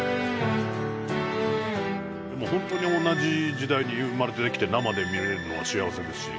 もう本当に同じ時代に生まれてきて生で見れるのが幸せですし。